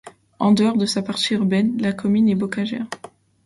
En dehors de sa partie urbaine, la commune est bocagère.